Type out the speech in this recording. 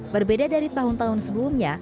berbeda dari tahun tahun sebelumnya